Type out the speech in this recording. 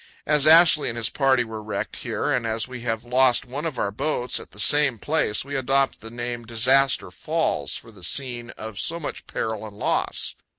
As Ashley and his party were wrecked here and as we have lost one of our boats at the same place, we adopt the name Disaster Falls for the scene of so much peril and loss.